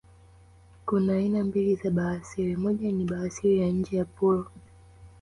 kuna aina mbili za bawasiri moja ni bawasiri ya nje ya puru